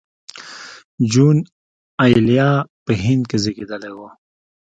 جون ایلیا په هند کې زېږېدلی و